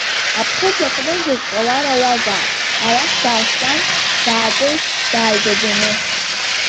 Аԥхыӡ аҟны зегь ҟалар ауазаап, арахь дааскьан, даатәеит дааигәаӡаны.